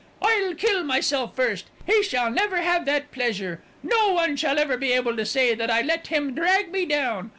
"I'll kill myself first. He shall never have that pleasure, no one shall ever be able to say that I let him drag me down.